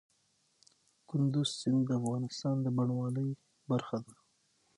کندز سیند د افغانستان د بڼوالۍ برخه ده.